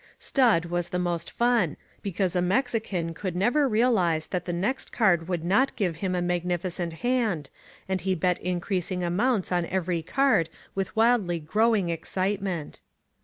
Stud was the most fun, because a Mexican could never realize that the next card would not give him a magnificent hand, and he bet ass INSURGENT MEXICO increasing amounts on every card with wildly growing excitement.